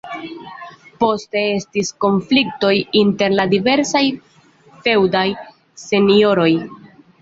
Poste estis konfliktoj inter la diversaj feŭdaj senjoroj.